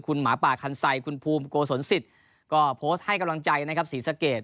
คุณภูมิโกสนสิทธิ์ก็โพสต์ให้กำลังใจนะครับศรีสะเกต